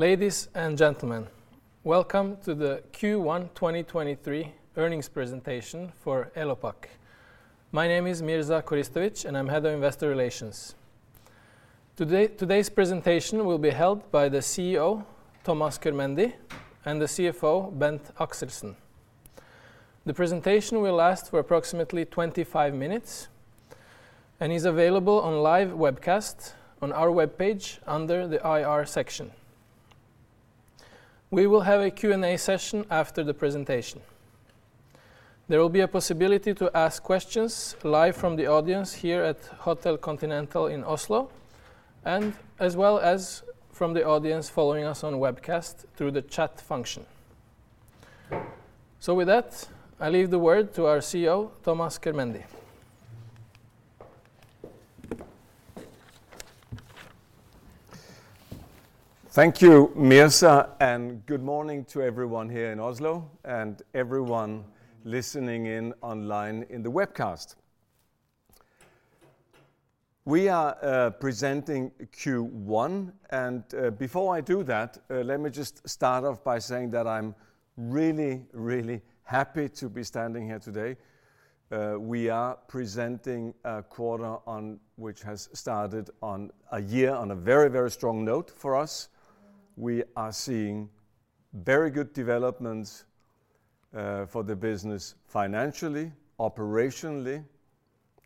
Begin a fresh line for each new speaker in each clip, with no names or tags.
Ladies and gentlemen, welcome to the Q1 2023 earnings presentation for Elopak. My name is Mirza Koristovic, and I'm head of Investor Relations. Today's presentation will be held by the CEO, Thomas Körmendi, and the CFO, Bent Axelsen. The presentation will last for approximately 25 minutes and is available on live webcast on our webpage under the IR section. We will have a Q&A session after the presentation. There will be a possibility to ask questions live from the audience here at Hotel Continental in Oslo and as well as from the audience following us on webcast through the chat function. With that, I leave the word to our CEO, Thomas Körmendi.
Thank you, Mirza. Good morning to everyone here in Oslo and everyone listening in online in the webcast. We are presenting Q1, and before I do that, let me just start off by saying that I'm really, really happy to be standing here today. We are presenting a quarter on which has started on a year on a very, very strong note for us. We are seeing very good developments for the business financially, operationally,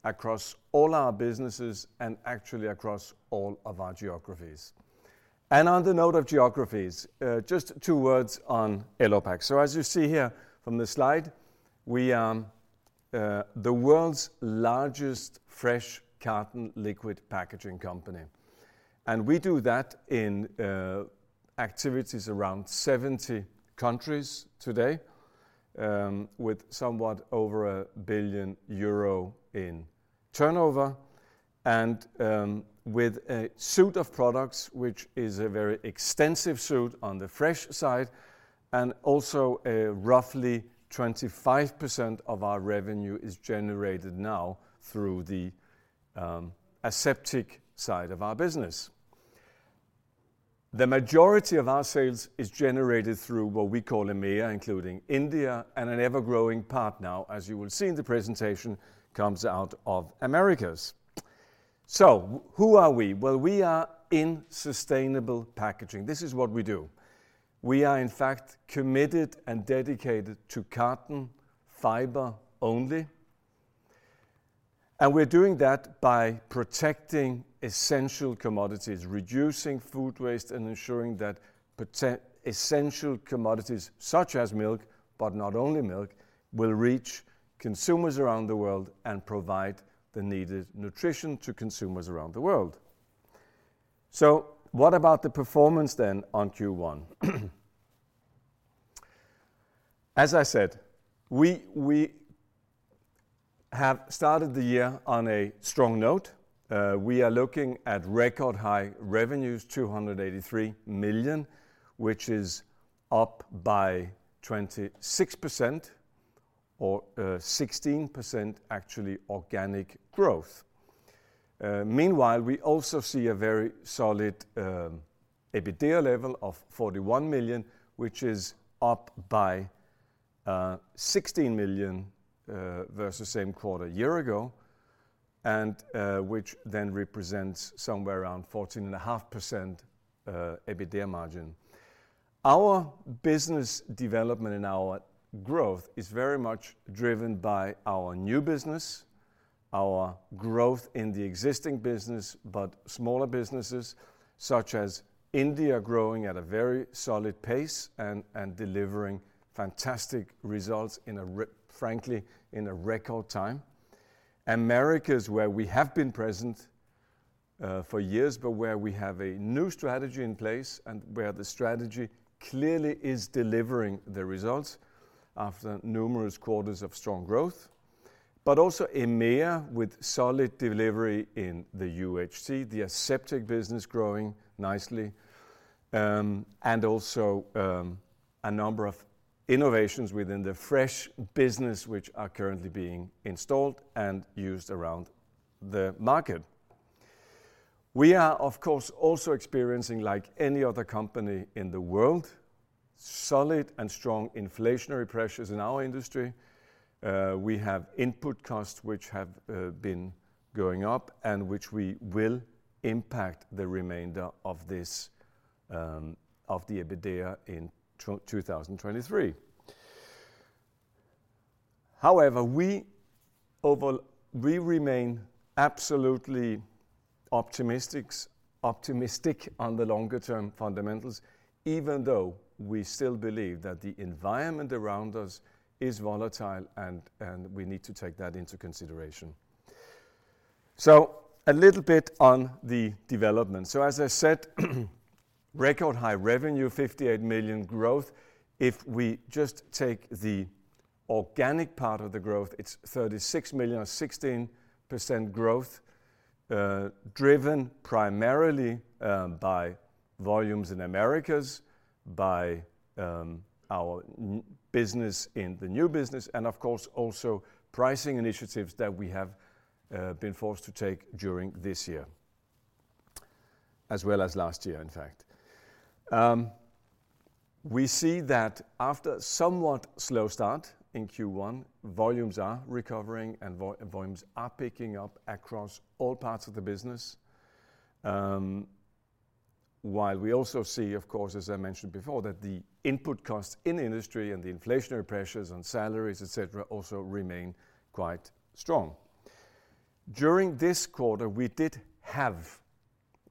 across all our businesses and actually across all of our geographies. On the note of geographies, just two words on Elopak. As you see here from the slide, we are the world's largest fresh carton liquid packaging company. We do that in activities around 70 countries today, with somewhat over 1 billion euro in turnover and with a suite of products which is a very extensive suite on the fresh side, and also a roughly 25% of our revenue is generated now through the aseptic side of our business. The majority of our sales is generated through what we call EMEA, including India and an ever-growing part now, as you will see in the presentation, comes out of Americas. Who are we? We are in sustainable packaging. This is what we do. We are, in fact, committed and dedicated to carton fiber only. We're doing that by protecting essential commodities, reducing food waste, and ensuring that essential commodities such as milk, but not only milk, will reach consumers around the world and provide the needed nutrition to consumers around the world. What about the performance then on Q1? As I said, we have started the year on a strong note. We are looking at record high revenues, 283 million, which is up by 26% or 16% actually organic growth. Meanwhile, we also see a very solid EBITA level of 41 million, which is up by 16 million versus same quarter a year ago, and which then represents somewhere around 14.5% EBITA margin. Our business development and our growth is very much driven by our new business, our growth in the existing business, but smaller businesses such as India growing at a very solid pace and delivering fantastic results frankly, in a record time. Americas, where we have been present for years, but where we have a new strategy in place and where the strategy clearly is delivering the results after numerous quarters of strong growth. Also EMEA with solid delivery in the UHT, the aseptic business growing nicely, and also a number of innovations within the fresh business which are currently being installed and used around the market. We are of course also experiencing, like any other company in the world, solid and strong inflationary pressures in our industry. We have input costs which have been going up and which we will impact the remainder of this of the EBITA in 2023. However, we remain absolutely optimistic on the longer-term fundamentals, even though we still believe that the environment around us is volatile and we need to take that into consideration. A little bit on the development. As I said, record high revenue, 58 million growth. If we just take the organic part of the growth, it's 36 million or 16% growth, driven primarily by volumes in Americas. By our business in the new business and of course also pricing initiatives that we have been forced to take during this year as well as last year in fact. We see that after somewhat slow start in Q1, volumes are recovering and volumes are picking up across all parts of the business. While we also see of course, as I mentioned before, that the input costs in industry and the inflationary pressures on salaries, et cetera, also remain quite strong. During this quarter, we did have,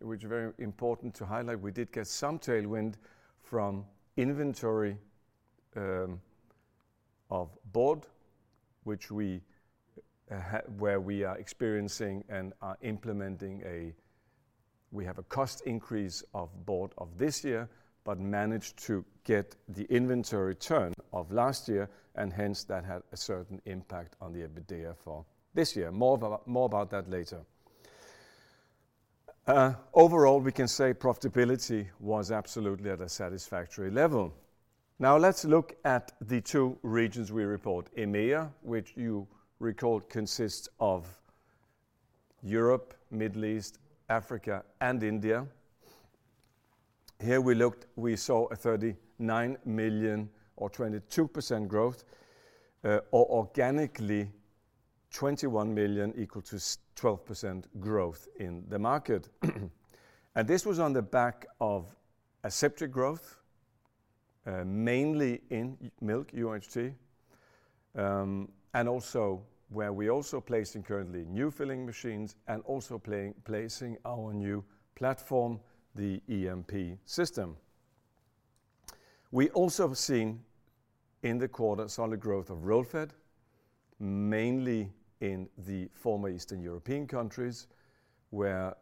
which is very important to highlight, we did get some tailwind from inventory of board, which we where we are experiencing and are implementing a cost increase of board of this year, but managed to get the inventory turn of last year, and hence that had a certain impact on the EBITA for this year. More about that later. Overall, we can say profitability was absolutely at a satisfactory level. Now let's look at the two regions we report. EMEA, which you recall consists of Europe, Middle East, Africa, and India. Here we looked, we saw a 39 million or 22% growth, or organically 21 million equal to 12% growth in the market. This was on the back of aseptic growth, mainly in milk, UHT, and also where we also placing currently new filling machines and also placing our new platform, the EMP system. We also have seen in the quarter solid growth of Roll Fed, mainly in the former Eastern European countries, where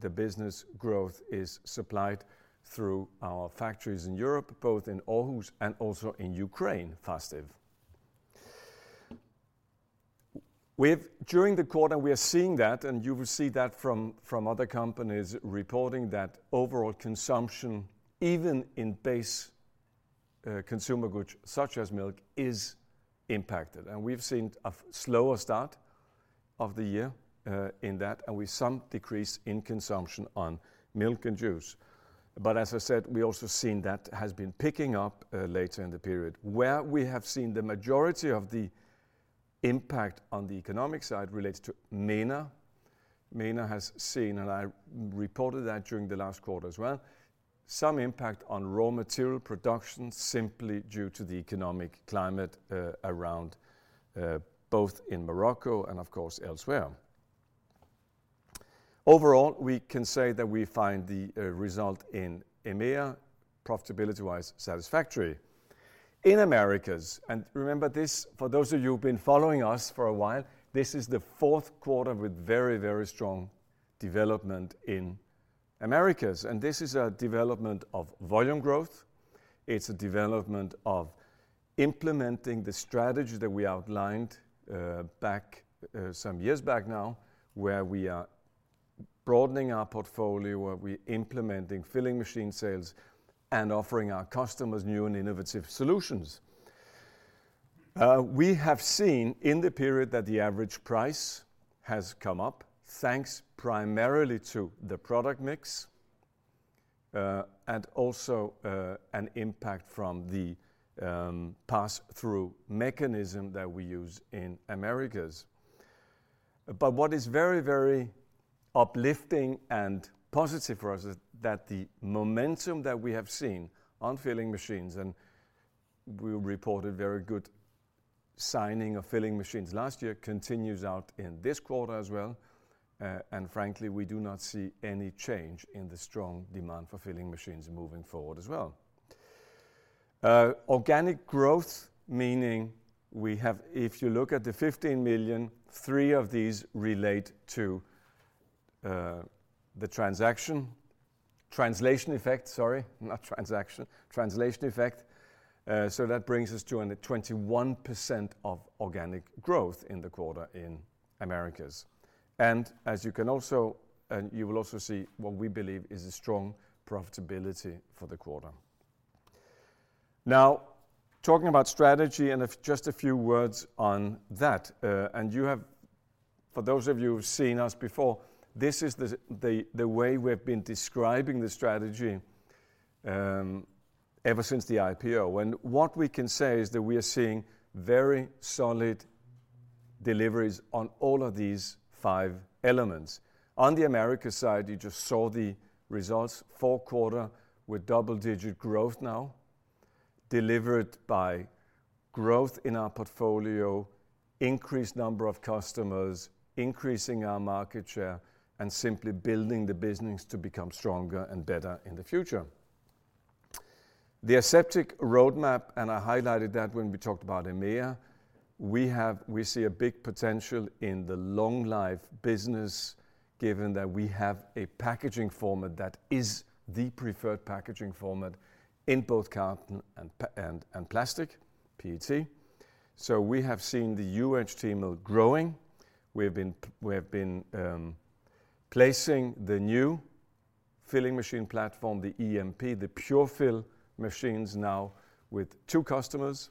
the business growth is supplied through our factories in Europe, both in Aarhus and also in Ukraine, Fastiv. During the quarter, we are seeing that, and you will see that from other companies reporting that overall consumption, even in base, consumer goods such as milk, is impacted. We've seen a slower start of the year in that, and with some decrease in consumption on milk and juice. As I said, we also seen that has been picking up later in the period. Where we have seen the majority of the impact on the economic side relates to MENA. MENA has seen, and I reported that during the last quarter as well, some impact on raw material production simply due to the economic climate around both in Morocco and of course elsewhere. Overall, we can say that we find the result in EMEA profitability-wise satisfactory. In Americas. Remember this, for those of you who've been following us for a while, this is the fourth quarter with very, very strong development in Americas. This is a development of volume growth, it's a development of implementing the strategy that we outlined back some years back now, where we are broadening our portfolio, where we're implementing filling machine sales and offering our customers new and innovative solutions. We have seen in the period that the average price has come up, thanks primarily to the product mix, and also an impact from the pass-through mechanism that we use in Americas. What is very, very uplifting and positive for us is that the momentum that we have seen on filling machines, and we reported very good signing of filling machines last year, continues out in this quarter as well. Frankly, we do not see any change in the strong demand for filling machines moving forward as well. Organic growth, meaning we have, if you look at the 15 million, three of these relate to the translation effect, sorry, not transaction, translation effect. That brings us to a 21% of organic growth in the quarter in Americas. As you can also, and you will also see what we believe is a strong profitability for the quarter. Talking about strategy and of just a few words on that, you have, for those of you who've seen us before, this is the way we've been describing the strategy ever since the IPO. What we can say is that we are seeing very solid deliveries on all of these five elements. On the Americas side, you just saw the results, fourth quarter with double-digit growth now, delivered by growth in our portfolio, increased number of customers, increasing our market share, and simply building the business to become stronger and better in the future. The aseptic roadmap, I highlighted that when we talked about EMEA, we see a big potential in the long life business, given that we have a packaging format that is the preferred packaging format in both carton and plastic, PET. We have seen the UHT milk growing. We've been placing the new filling machine platform, the EMP, the PureFill machines now with two customers,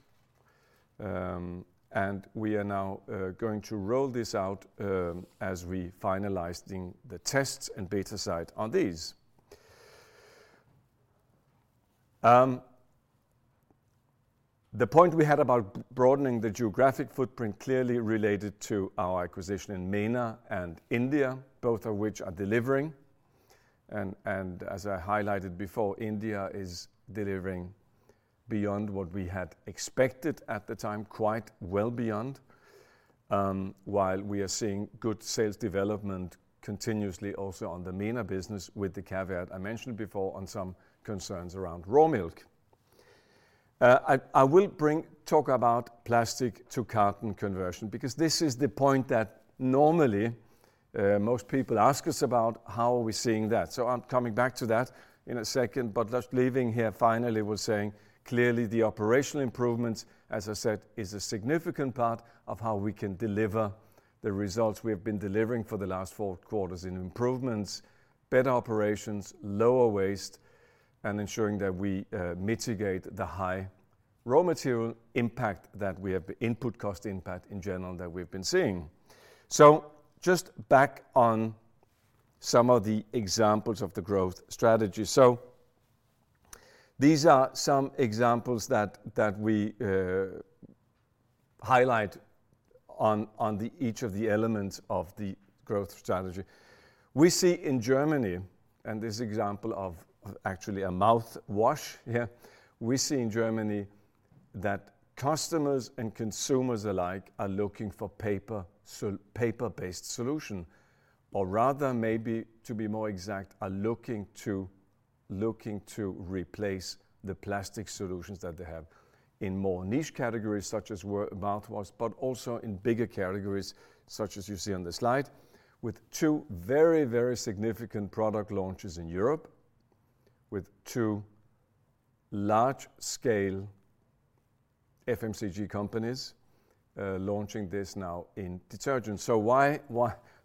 and we are now going to roll this out as we finalize the tests and beta site on these. The point we had about broadening the geographic footprint clearly related to our acquisition in MENA and India, both of which are delivering and as I highlighted before, India is delivering beyond what we had expected at the time, quite well beyond, while we are seeing good sales development continuously also on the MENA business with the caveat I mentioned before on some concerns around raw milk. I will talk about plastic-to-carton conversion because this is the point that normally most people ask us about how are we seeing that. I'm coming back to that in a second, but just leaving here finally with saying clearly the operational improvements, as I said, is a significant part of how we can deliver the results we have been delivering for the last four quarters in improvements, better operations, lower waste, and ensuring that we mitigate the high raw material impact that we have, input cost impact in general that we've been seeing. Just back on some of the examples of the growth strategy. These are some examples that we highlight on the each of the elements of the growth strategy. We see in Germany, and this example of actually a mouthwash here, we see in Germany that customers and consumers alike are looking for paper-based solution, or rather maybe to be more exact, are looking to replace the plastic solutions that they have in more niche categories such as mouthwash, but also in bigger categories such as you see on the slide with two very, very significant product launches in Europe, with two large-scale FMCG companies, launching this now in detergent.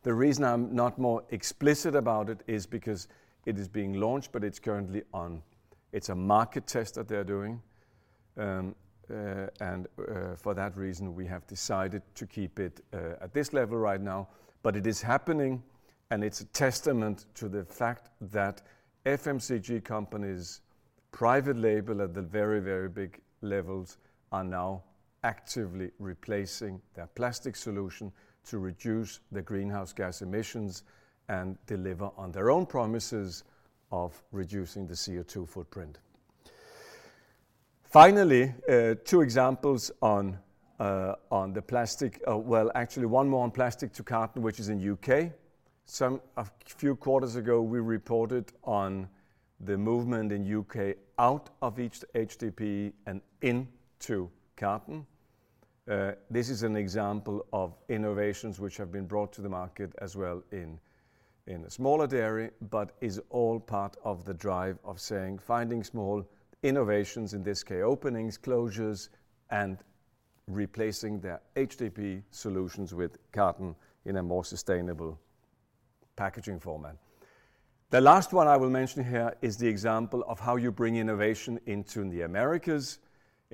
The reason I'm not more explicit about it is because it is being launched, but it's currently a market test that they're doing, and for that reason, we have decided to keep it at this level right now. It is happening, and it's a testament to the fact that FMCG companies' private label at the very, very big levels are now actively replacing their plastic solution to reduce the greenhouse gas emissions and deliver on their own promises of reducing the CO2 footprint. Finally, well, actually one more on plastic to carton, which is in the U.K. A few quarters ago, we reported on the movement in the U.K. out of each HDPE and into carton. This is an example of innovations which have been brought to the market as well in a smaller dairy, but is all part of the drive of saying finding small innovations, in this case, openings, closures, and replacing their HDPE solutions with carton in a more sustainable packaging format. The last one I will mention here is the example of how you bring innovation into the Americas.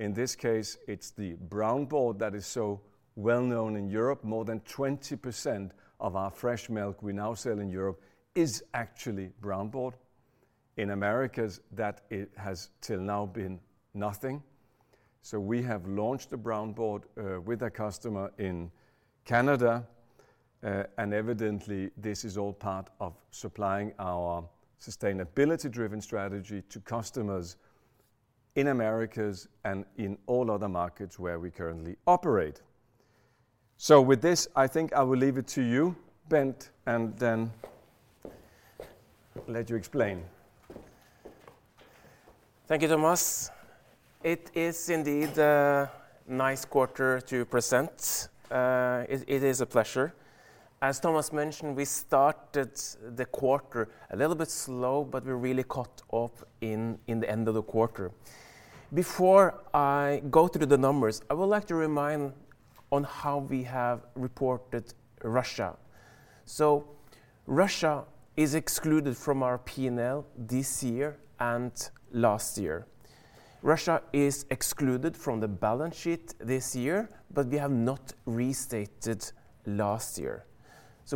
In this case, it's the Brown Board that is so well known in Europe. More than 20% of our fresh milk we now sell in Europe is actually Brown Board. In Americas, that has till now been nothing. We have launched a Brown Board with a customer in Canada, and evidently this is all part of supplying our sustainability-driven strategy to customers in Americas and in all other markets where we currently operate. With this, I think I will leave it to you, Bent, and then let you explain.
Thank you, Thomas. It is indeed a nice quarter to present. It is a pleasure. As Thomas mentioned, we started the quarter a little bit slow, but we really caught up in the end of the quarter. Before I go through the numbers, I would like to remind on how we have reported Russia. Russia is excluded from our P&L this year and last year. Russia is excluded from the balance sheet this year, but we have not restated last year.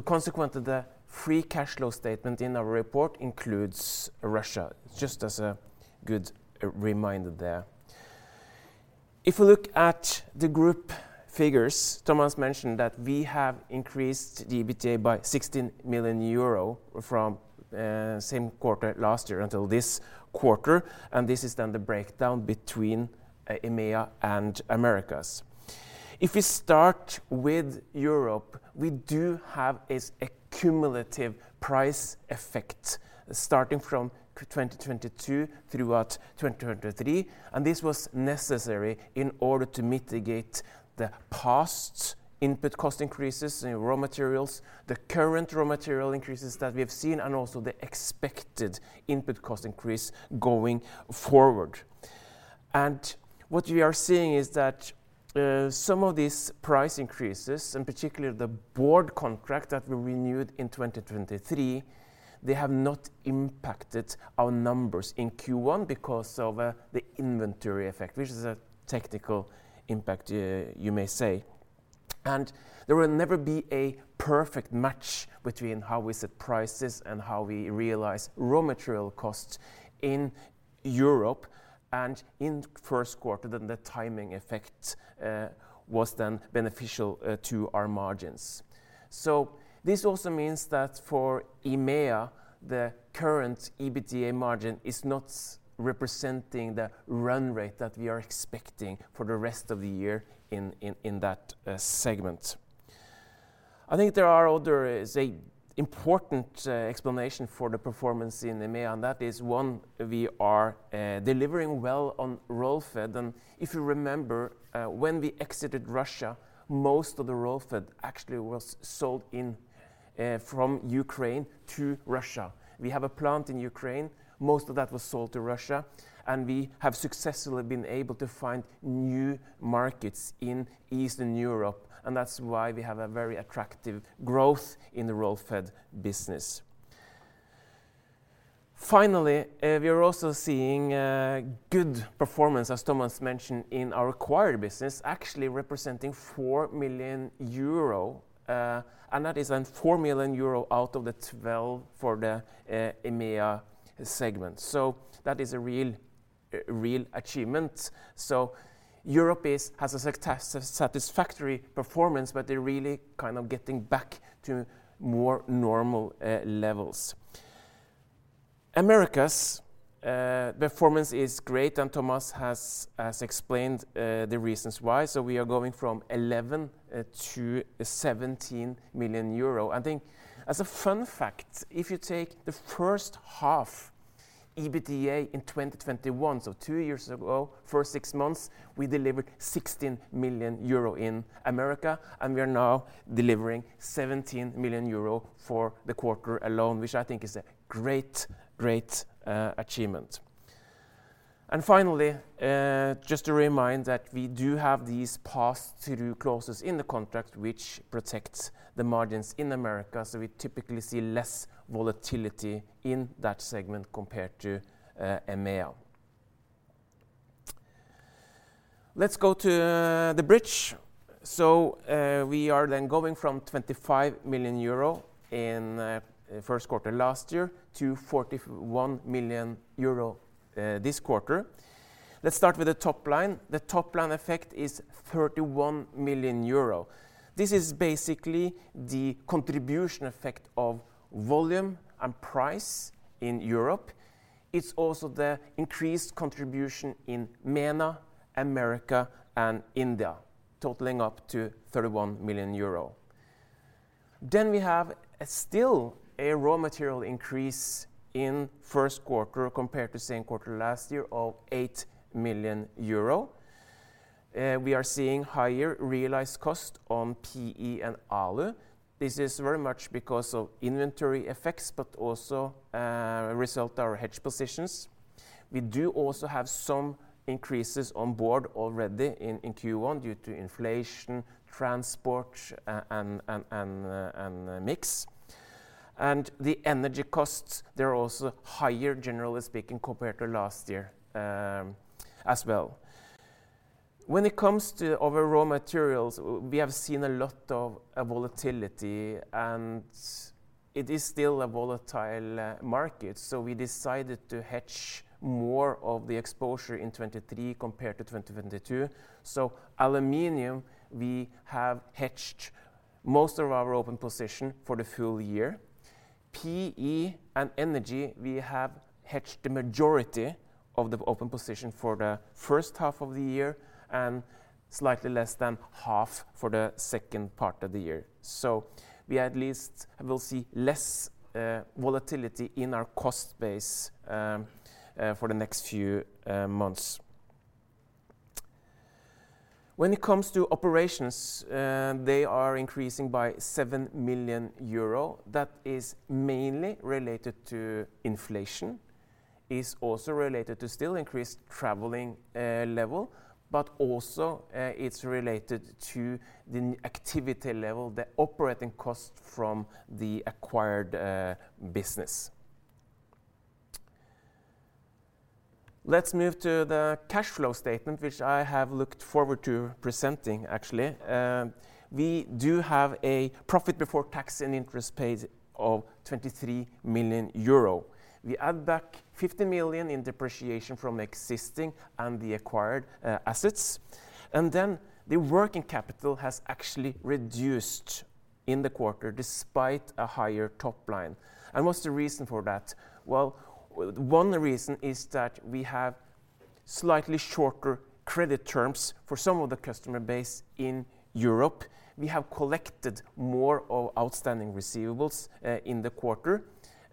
Consequently, the free cash flow statement in our report includes Russia, just as a good reminder there. If we look at the group figures, Thomas mentioned that we have increased the EBITA by 16 million euro from same quarter last year until this quarter. This is then the breakdown between EMEA and Americas. If we start with Europe, we do have is a cumulative price effect starting from 2022 throughout 2023, and this was necessary in order to mitigate the past input cost increases in raw materials, the current raw material increases that we have seen, and also the expected input cost increase going forward. What we are seeing is that some of these price increases, in particular the board contract that we renewed in 2023, they have not impacted our numbers in Q1 because of the inventory effect, which is a technical impact, you may say. There will never be a perfect match between how we set prices and how we realize raw material costs in Europe, and in first quarter, then the timing effect was then beneficial to our margins. This also means that for EMEA, the current EBITA margin is not representing the run rate that we are expecting for the rest of the year in that segment. I think there are other important explanation for the performance in EMEA, and that is one we are delivering well on Roll Fed. If you remember, when we exited Russia, most of the Roll Fed actually was sold in from Ukraine to Russia. We have a plant in Ukraine. Most of that was sold to Russia, and we have successfully been able to find new markets in Eastern Europe. That's why we have a very attractive growth in the Roll Fed business. We are also seeing a good performance, as Thomas mentioned, in our acquired business, actually representing 4 million euro, and that is then 4 million euro out of the 12 for the EMEA segment. That is a real achievement. Europe has a satisfactory performance, but they're really kind of getting back to more normal levels. America's performance is great, and Thomas has explained the reasons why. We are going from 11 to 17 million euro. I think as a fun fact, if you take the first half EBITA in 2021, two years ago, first six months, we delivered 16 million euro in America, and we are now delivering 17 million euro for the quarter alone, which I think is a great achievement. Finally, just to remind that we do have these pass-through clauses in the contract which protect the margins in America. We typically see less volatility in that segment compared to EMEA. Let's go to the bridge. We are going from 25 million euro in first quarter last year to 41 million euro this quarter. Let's start with the top line. The top line effect is 31 million euro. This is basically the contribution effect of volume and price in Europe. It's also the increased contribution in MENA, America, and India, totaling up to 31 million euro. We have still a raw material increase in first quarter compared to same quarter last year of 8 million euro. We are seeing higher realized cost on PE and Alu. This is very much because of inventory effects but also, result our hedge positions. We do also have some increases on board already in Q1 due to inflation, transport, and mix. The energy costs, they're also higher generally speaking compared to last year, as well. When it comes to our raw materials, we have seen a lot of volatility, and it is still a volatile market. We decided to hedge more of the exposure in 2023 compared to 2022. Aluminum, we have hedged most of our open position for the full year. PE and energy, we have hedged the majority of the open position for the first half of the year and slightly less than half for the second part of the year. We at least will see less volatility in our cost base for the next few months. When it comes to operations, they are increasing by 7 million euro. That is mainly related to inflation. It's also related to still increased traveling level, but also it's related to the activity level, the operating cost from the acquired business. Let's move to the cash flow statement, which I have looked forward to presenting, actually. We do have a profit before tax and interest paid of 23 million euro. We add back 50 million in depreciation from existing and the acquired assets, and then the working capital has actually reduced in the quarter despite a higher top line. What's the reason for that? Well, one reason is that we have slightly shorter credit terms for some of the customer base in Europe. We have collected more of outstanding receivables in the quarter,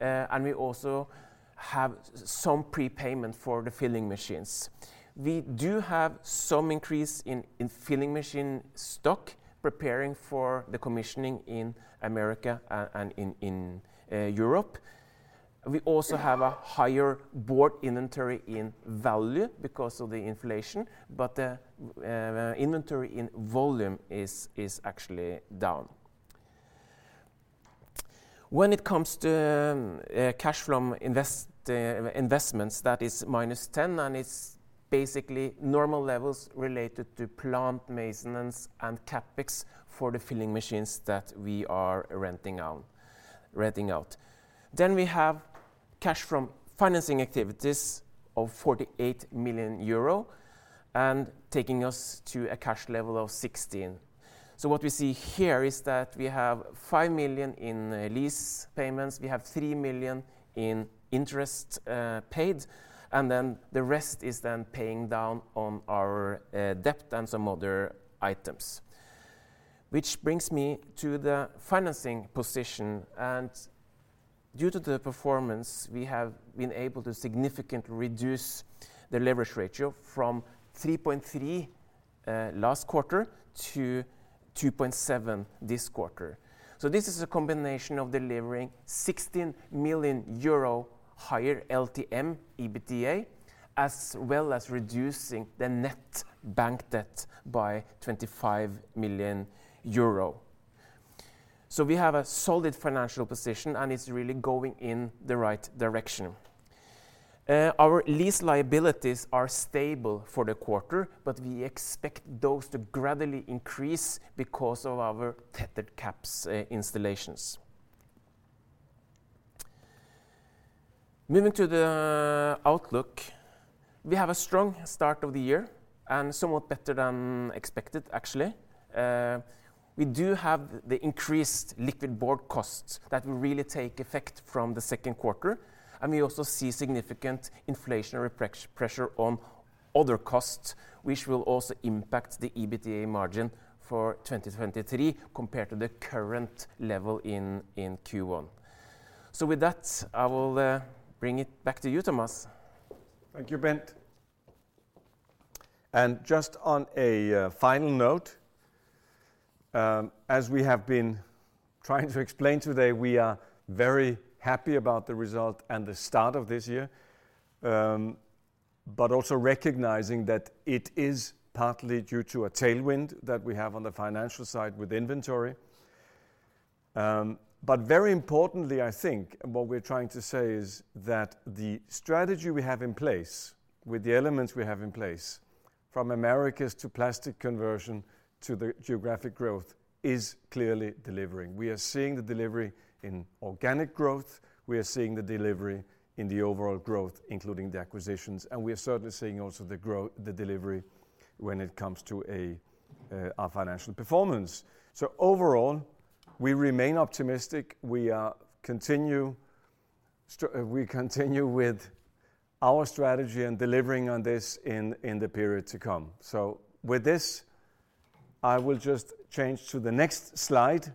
and we also have some prepayment for the filling machines. We do have some increase in filling machine stock preparing for the commissioning in America and in Europe. We also have a higher board inventory in value because of the inflation, but the inventory in volume is actually down. When it comes to cash from investments, that is minus 10, and it's basically normal levels related to plant maintenance and CapEx for the filling machines that we are renting out. We have cash from financing activities of 48 million euro and taking us to a cash level of 16. What we see here is that we have 5 million in lease payments. We have 3 million in interest paid, and then the rest is then paying down on our debt and some other items. Which brings me to the financing position, and due to the performance, we have been able to significantly reduce the leverage ratio from 3.3 last quarter to 2.7 this quarter. This is a combination of delivering 16 million euro higher LTM EBITA, as well as reducing the net bank debt by 25 million euro. We have a solid financial position, and it's really going in the right direction. Our lease liabilities are stable for the quarter, but we expect those to gradually increase because of our tethered caps installations. Moving to the outlook. We have a strong start of the year and somewhat better than expected actually. We do have the increased liquid board costs that will really take effect from the second quarter, and we also see significant inflationary pressure on other costs, which will also impact the EBITA margin for 2023 compared to the current level in Q1. With that, I will bring it back to you, Thomas.
Thank you, Bent. Just on a final note, as we have been trying to explain today, we are very happy about the result and the start of this year, but also recognizing that it is partly due to a tailwind that we have on the financial side with inventory. Very importantly, I think what we're trying to say is that the strategy we have in place with the elements we have in place, from Americas to plastic conversion to the geographic growth, is clearly delivering. We are seeing the delivery in organic growth. We are seeing the delivery in the overall growth, including the acquisitions, and we are certainly seeing also the delivery when it comes to our financial performance. Overall, we remain optimistic. We continue with our strategy and delivering on this in the period to come. With this, I will just change to the next slide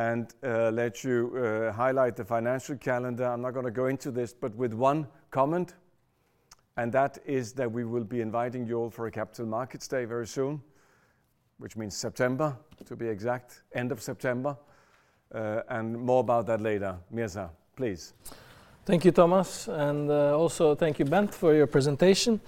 and let you highlight the financial calendar. I'm not gonna go into this, but with one comment, that is that we will be inviting you all for a Capital Markets Day very soon, which means September, to be exact, end of September, and more about that later. Mirza, please.
Thank you, Thomas, also thank you, Bent, for your presentation.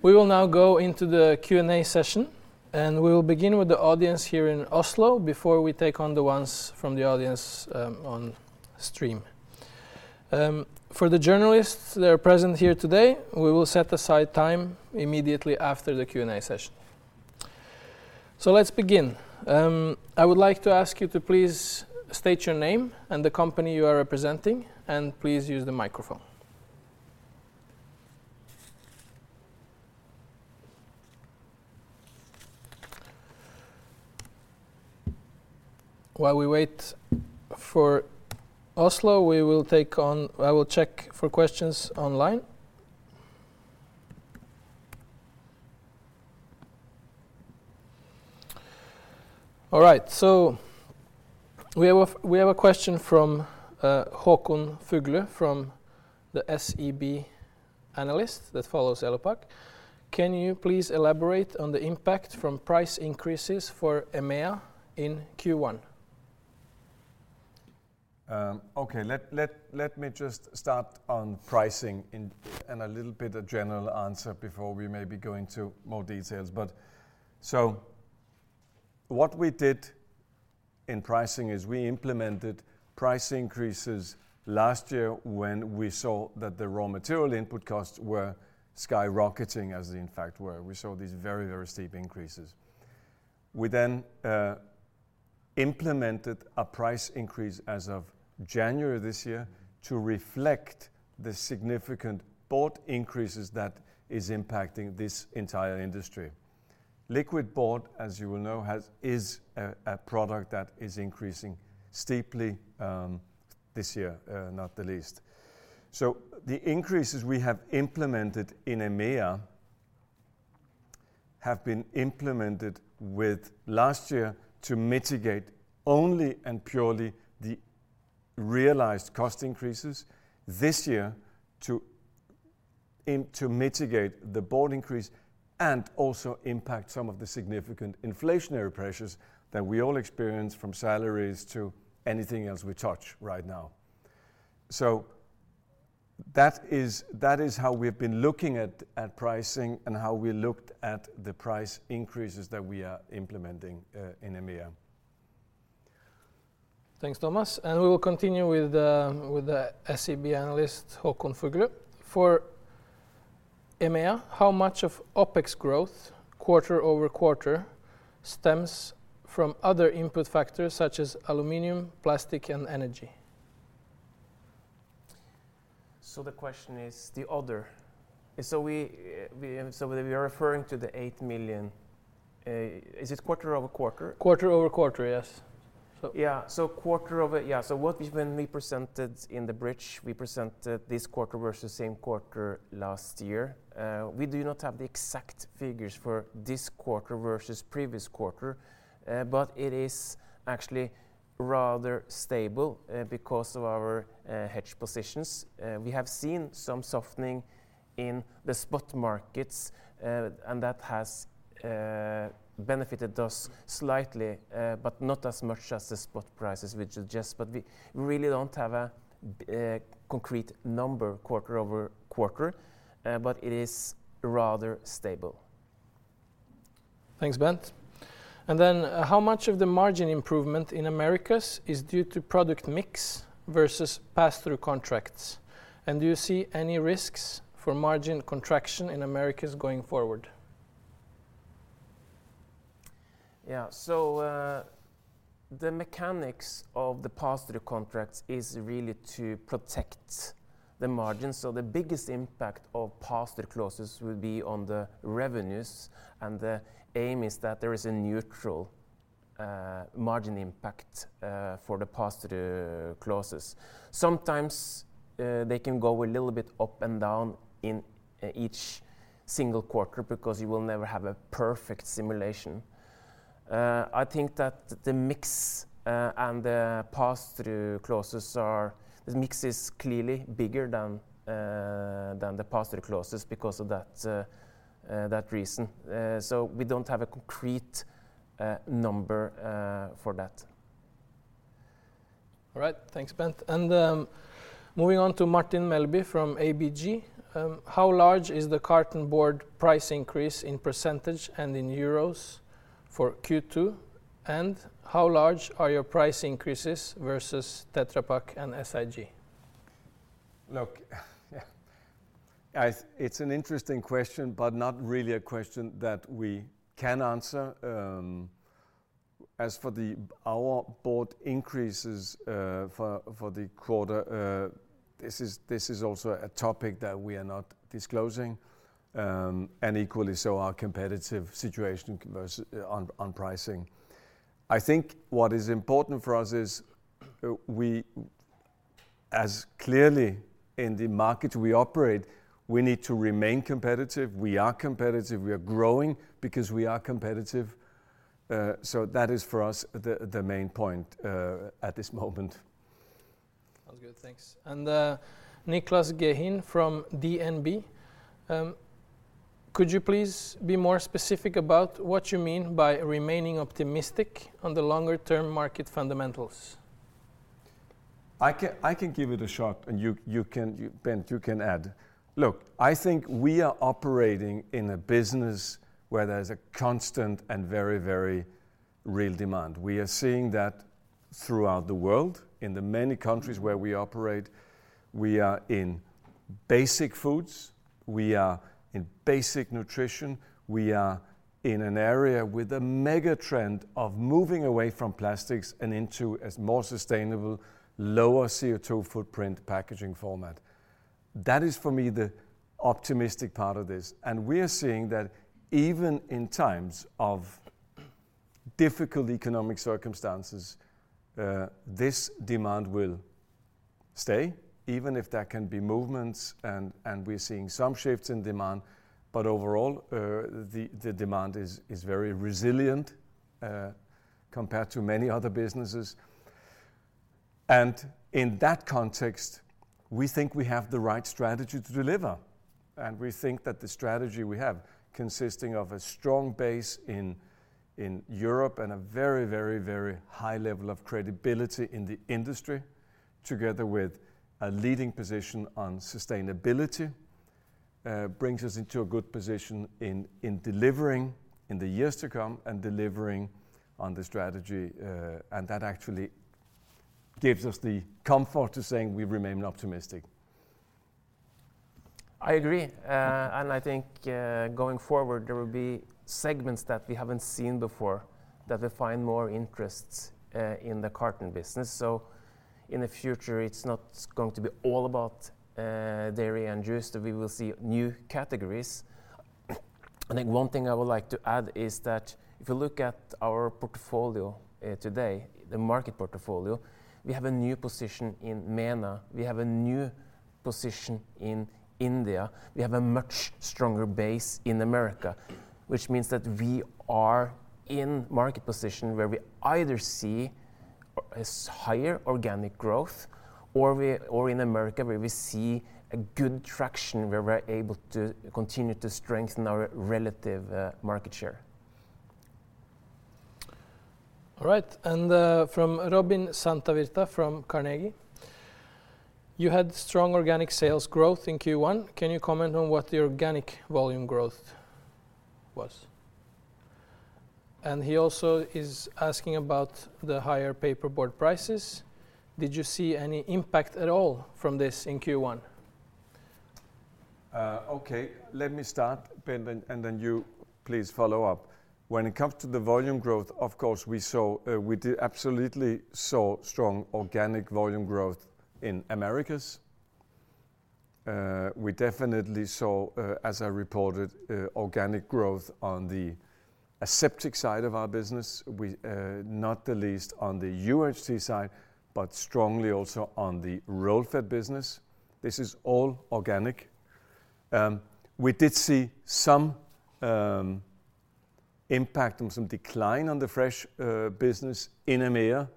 We will now go into the Q&A session, and we will begin with the audience here in Oslo before we take on the ones from the audience on stream. For the journalists that are present here today, we will set aside time immediately after the Q&A session. Let's begin. I would like to ask you to please state your name and the company you are representing, and please use the microphone. While we wait for Oslo, I will check for questions online. All right, we have a question from Håkon Fuglu from the SEB analyst that follows Elopak. Can you please elaborate on the impact from price increases for EMEA in Q1?
Okay. Let me just start on pricing and a little bit of general answer before we maybe go into more details. What we did in pricing is we implemented price increases last year when we saw that the raw material input costs were skyrocketing as they in fact were. We saw these very steep increases. We implemented a price increase as of January this year to reflect the significant board increases that is impacting this entire industry. Liquid board, as you will know, is a product that is increasing steeply this year, not the least. The increases we have implemented in EMEA have been implemented with last year to mitigate only and purely the realized cost increases this year to mitigate the board increase and also impact some of the significant inflationary pressures that we all experience from salaries to anything else we touch right now. That is how we've been looking at pricing and how we looked at the price increases that we are implementing in EMEA.
Thanks, Thomas. We will continue with the SEB analyst, Håkon Fuglu. For EMEA, how much of OpEx growth quarter-over-quarter stems from other input factors such as aluminum, plastic, and energy?
The question is the other. We, and so we are referring to the 8 million, is it quarter-over-quarter?
Quarter-over-quarter, yes.
Yeah. Quarter-over, yeah. What we when we presented in the bridge, we presented this quarter versus same quarter last year. We do not have the exact figures for this quarter versus previous quarter. It is actually rather stable, because of our hedge positions. We have seen some softening in the spot markets, and that has benefited us slightly, but not as much as the spot prices, which is just, we really don't have a concrete number quarter-over-quarter, but it is rather stable.
Thanks, Bent. How much of the margin improvement in Americas is due to product mix versus pass-through contracts? Do you see any risks for margin contraction in Americas going forward?
Yeah. The mechanics of the pass-through contracts is really to protect the margin. The biggest impact of pass-through clauses will be on the revenues, and the aim is that there is a neutral margin impact for the pass-through clauses. Sometimes they can go a little bit up and down in each single quarter because you will never have a perfect simulation. I think that the mix and the pass-through clauses. The mix is clearly bigger than the pass-through clauses because of that reason. We don't have a concrete number for that.
All right. Thanks, Bent. Moving on to Martin Melbye from ABG. How large is the carton board price increase in % and in EUR for Q2? How large are your price increases versus Tetra Pak and SIG?
Look, It's an interesting question, but not really a question that we can answer. As for the, our board increases, for the quarter, this is also a topic that we are not disclosing, and equally so our competitive situation on pricing. I think what is important for us is we, as clearly in the market we operate, we need to remain competitive. We are competitive. We are growing because we are competitive. That is for us the main point at this moment.
Sounds good. Thanks. Niclas Gehin from DNB, could you please be more specific about what you mean by remaining optimistic on the longer term market fundamentals?
I can give it a shot. You can, Bent, you can add. Look, I think we are operating in a business where there's a constant and very real demand. We are seeing that throughout the world in the many countries where we operate. We are in basic foods. We are in basic nutrition. We are in an area with a mega trend of moving away from plastics and into as more sustainable, lower CO2 footprint packaging format. That is for me the optimistic part of this. We are seeing that even in times of difficult economic circumstances, this demand will stay even if there can be movements and we're seeing some shifts in demand. Overall, the demand is very resilient compared to many other businesses. In that context, we think we have the right strategy to deliver, and we think that the strategy we have consisting of a strong base in Europe and a very high level of credibility in the industry, together with a leading position on sustainability, brings us into a good position in delivering in the years to come and delivering on the strategy. That actually gives us the comfort to saying we remain optimistic.
I agree. I think going forward, there will be segments that we haven't seen before that will find more interests in the carton business. In the future, it's not going to be all about dairy and juice, that we will see new categories. I think one thing I would like to add is that if you look at our portfolio today, the market portfolio, we have a new position in MENA. We have a new position in India. We have a much stronger base in America, which means that we are in market position where we either see higher organic growth or in America where we see a good traction where we're able to continue to strengthen our relative market share.
All right, from Robin Santavirta from Carnegie, You had strong organic sales growth in Q1. Can you comment on what the organic volume growth was? He also is asking about the higher paper board prices. Did you see any impact at all from this in Q1?
Okay, let me start, Bent, and then you please follow up. When it comes to the volume growth, of course, we saw, we did absolutely saw strong organic volume growth in Americas. We definitely saw, as I reported, organic growth on the aseptic side of our business. We, not the least on the UHT side, but strongly also on the Roll Fed business. This is all organic. We did see some impact and some decline on the fresh business in EMEA.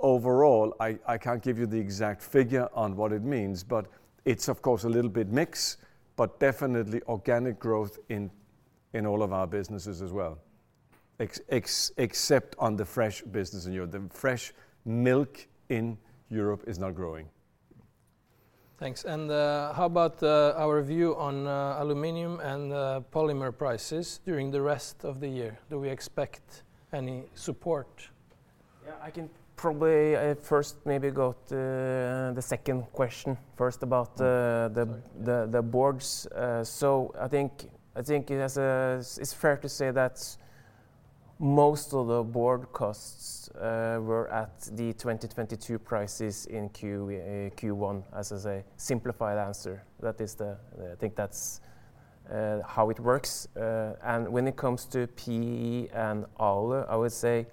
Overall, I can't give you the exact figure on what it means, but it's of course a little bit mix, but definitely organic growth in all of our businesses as well. Except on the fresh business in Europe. The fresh milk in Europe is not growing.
Thanks. How about our view on aluminum and polymer prices during the rest of the year? Do we expect any support?
Yeah, I can probably, first maybe go to the second question first about the boards. I think it has a, it's fair to say that most of the board costs were at the 2022 prices in Q1 as is a simplified answer. That is, I think that's how it works. When it comes to PE and Alu, I would say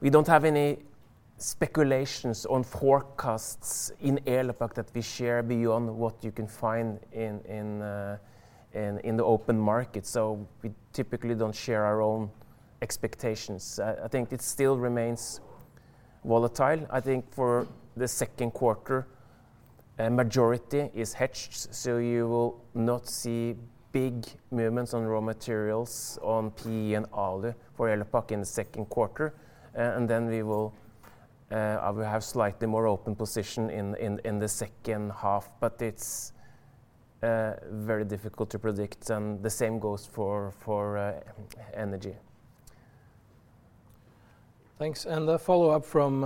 we don't have any speculations on forecasts in Elopak that we share beyond what you can find in the open market. We typically don't share our own expectations. I think it still remains volatile. I think for the second quarter, a majority is hedged, so you will not see big movements on raw materials on PE and Alu for Elopak in the second quarter. Then we will have slightly more open position in the second half. It's very difficult to predict, and the same goes for energy.
Thanks, and a follow-up from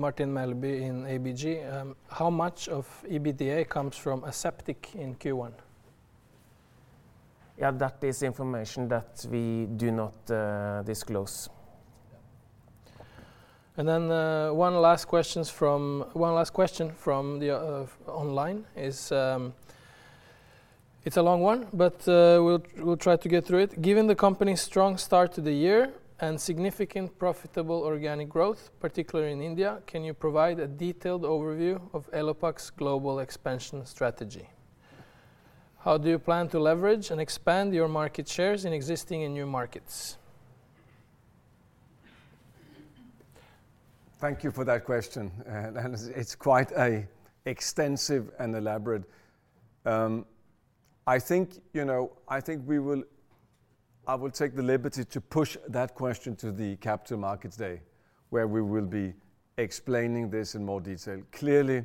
Martin Melbye in ABG, How much of EBITA comes from aseptic in Q1?
Yeah, that is information that we do not disclose.
Yeah.
One last question from the online is. It's a long one, but we'll try to get through it. Given the company's strong start to the year and significant profitable organic growth, particularly in India, can you provide a detailed overview of Elopak's global expansion strategy? How do you plan to leverage and expand your market shares in existing and new markets?
Thank you for that question. It's quite an extensive and elaborate. I think, you know, I will take the liberty to push that question to the Capital Markets Day, where we will be explaining this in more detail. Clearly,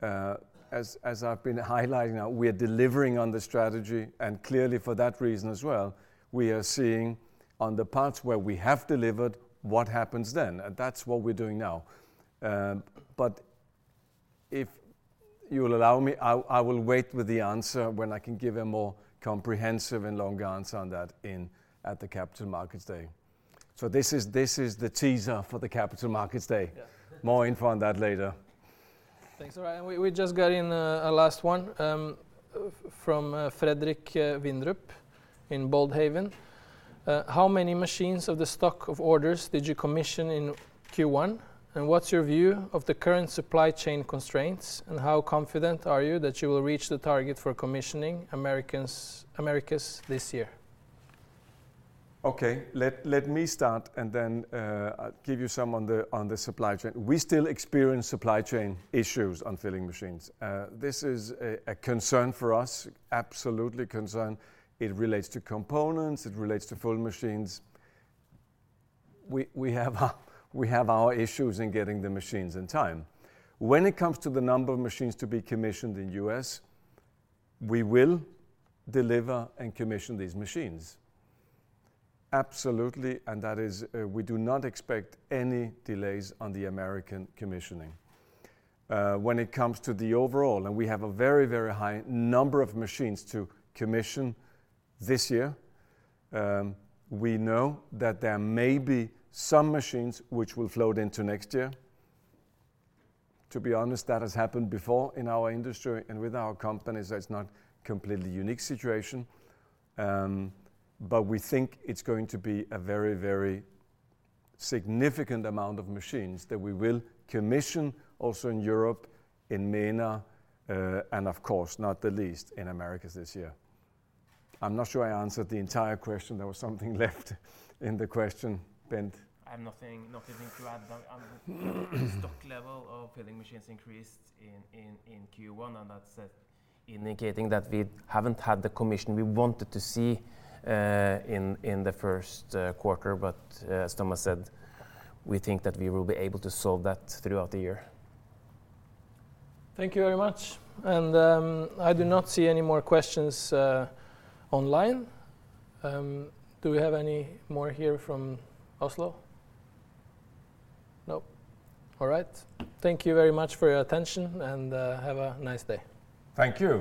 as I've been highlighting, we are delivering on the strategy. Clearly for that reason as well, we are seeing on the parts where we have delivered what happens then. That's what we're doing now. If you will allow me, I will wait with the answer when I can give a more comprehensive and long answer on that in, at the Capital Markets Day. This is the teaser for the Capital Markets Day.
Yeah.
More info on that later.
Thanks. All right, we just got in a last one from Fredrik Windrup in Boldhaven. How many machines of the stock of orders did you commission in Q1? What's your view of the current supply chain constraints? How confident are you that you will reach the target for commissioning Americas this year?
Okay. Let me start and then give you some on the supply chain. We still experience supply chain issues on filling machines. This is a concern for us, absolutely concern. It relates to components. It relates to full machines. We have our issues in getting the machines in time. When it comes to the number of machines to be commissioned in U.S., we will deliver and commission these machines. Absolutely, and that is we do not expect any delays on the American commissioning. When it comes to the overall, we have a very high number of machines to commission this year, we know that there may be some machines which will float into next year. To be honest, that has happened before in our industry and with our companies. That's not completely unique situation. We think it's going to be a very, very significant amount of machines that we will commission also in Europe, in MENA, and of course, not the least, in Americas this year. I'm not sure I answered the entire question. There was something left in the question, Bent.
I have nothing to add on. Stock level of filling machines increased in Q1, that's indicating that we haven't had the commission we wanted to see in the first quarter. As Thomas said, we think that we will be able to solve that throughout the year.
Thank you very much. I do not see any more questions online. Do we have any more here from Oslo? Nope. All right. Thank you very much for your attention. Have a nice day.
Thank you.